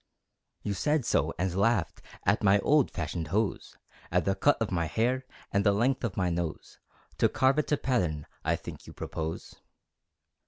You said so, and laughed At my old fashioned hose, At the cut of my hair, At the length of my nose. To carve it to pattern I think you propose.